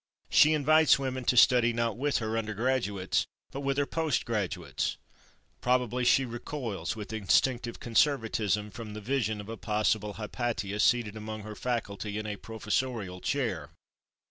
She invites women to study not with her under graduates, but with her post graduates. Probably she recoils with instinctive conservatism from the vision of a possible Hypatia seated among her faculty in a professorial chair.